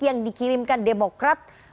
yang dikirimkan demokrat